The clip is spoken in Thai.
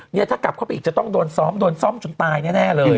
เนี่ยถ้ากลับเข้าไปอีกจะต้องโดนซ้อมโดนซ่อมจนตายแน่เลย